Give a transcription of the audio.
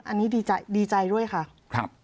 อันนี้ดีใจด้วยค่ะ